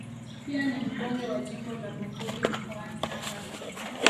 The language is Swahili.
Pia ni mbunge wa jimbo la Bumbuli mkoani Tanga